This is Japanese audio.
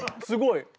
すごい！